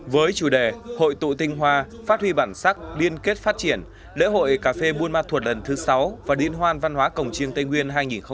với chủ đề hội tụ tinh hoa phát huy bản sắc liên kết phát triển lễ hội cà phê buôn ma thuột lần thứ sáu và liên hoan văn hóa cổng chiêng tây nguyên hai nghìn hai mươi bốn